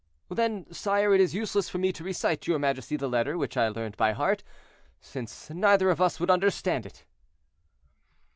"Then, sire, it is useless for me to recite to your majesty the letter which I learned by heart, since neither of us would understand it."